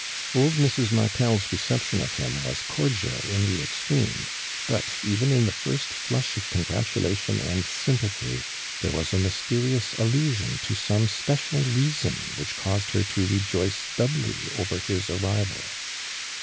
Uld Mrs. M^^t^^8 reception of him was cordial in the ejftreme ; but, even in the tii st flush of opngmtulation and sympathy, there was a mysterious allusion tp some special reaaon which caused her tp rejoice doubly over his arrival.